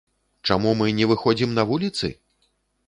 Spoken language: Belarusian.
Чаму мы не выходзім на вуліцы?